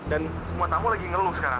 dan semua tamu lagi ngeluh sekarang